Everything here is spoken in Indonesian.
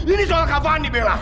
ini soal kak fanny bella